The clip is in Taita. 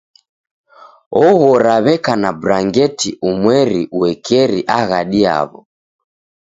Oghora w'eka na brangeti umweri uekeri aghadi yaw'o